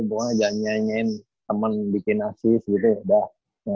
pokoknya jangan nyanyiin temen bikin assist gitu ya